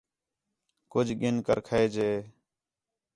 کُج گِھن کر کھئے جے